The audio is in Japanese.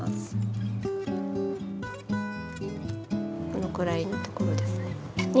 このくらいのところですね